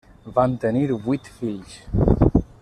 Van tenir vuit fills.